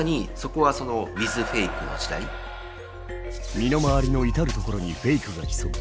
身の回りの至る所にフェイクが潜む。